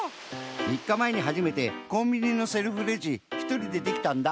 みっかまえにはじめてコンビニのセルフレジひとりでできたんだ！